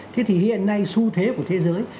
thế thì hiện nay su thế của thế giới